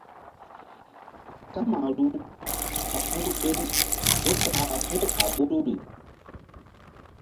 Kamaru ɓa puh ɗeŋ ke sakra puh a ɓoruri.